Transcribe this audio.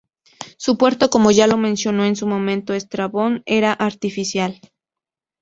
Su puerto, como ya lo mencionó en su momento Estrabón, era artificial.